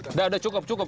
sudah sudah cukup cukup